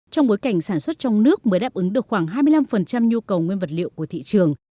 trong bối cảnh sản xuất trong nước mới đáp ứng được khoảng hai mươi năm nhu cầu nguyên vật liệu của thị trường